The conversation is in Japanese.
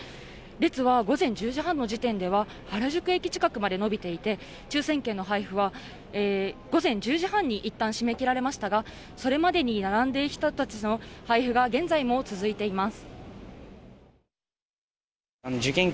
列は午前１０時半の時点では原宿駅近くまで伸びていて、抽選券の配布は午前１０時半にいったん締め切られましたが、それまでに並んだ人たちの配布が現在も続いています。